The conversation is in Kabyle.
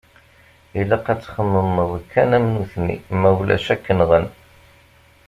Ilaq ad txemmemeḍ kan am nutni ma ulac ad k-nɣen.